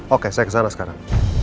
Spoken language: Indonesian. oke saya kesana sekarang